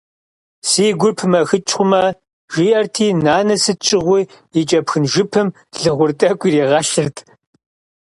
Си гур пымэхыкӏ хъумэ, жиӏэрти, нанэ сыт щыгъуи и кӏэпхын жыпым лыгъур тӏэкӏу иригъэлъырт.